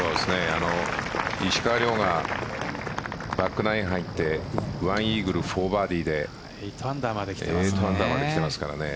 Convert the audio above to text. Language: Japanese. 石川遼がバックナインに入って１イーグル、４バーディーで８アンダーまで来てますからね。